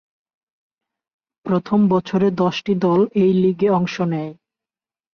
প্রথম বছরে দশটি দল এই লিগে অংশ নেয়।